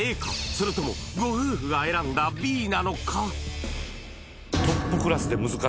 それともご夫婦が選んだＢなのか？